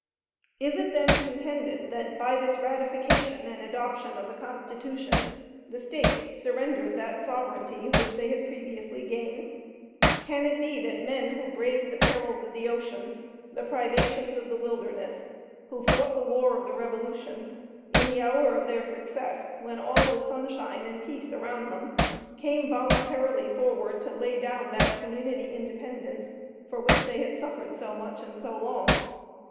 Is it then contended that, by this ratification and adoption of the Constitution, the States surrendered that sovereignty which they had previously gained? Can it be that men who braved the perils of the ocean, the privations of the wilderness, who fought the war of the Revolution, in the hour of their success, when all was sunshine and peace around them, came voluntarily forward to lay down that community independence for which they had suffered so much and so long?